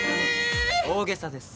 大げさです。